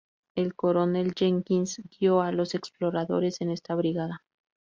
El coronel Jenkins guio a los exploradores en esta brigada.